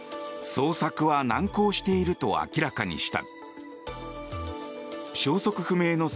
捜索は難航していると明らかにした。